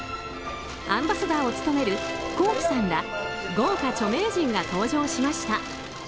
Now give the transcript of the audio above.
アンバサダーを務めるＫｏｋｉ，さんら豪華著名人が登場しました。